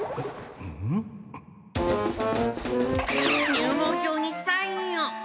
入門票にサインを。